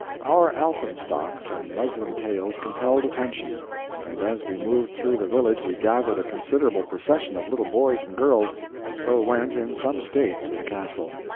Our alpenstocks and muslin tails compelled attention, and as we moved through the village we gathered a considerable procession of little boys and girls, and so went in some state to the castle.